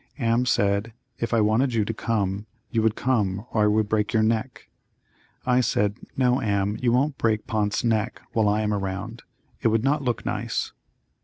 Am said, "If I wanted you to come, you would come or I would break your neck." I said, "No, Am, you won't break Pout's neck while I am around; it would not look nice."